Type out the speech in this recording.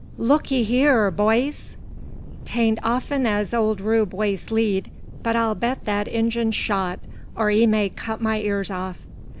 "Look'ee hyur, boyees! Tain't of'n as ole Rube wastes lead, but I'll beat that Injun's shot, or 'ee may cut my ears off."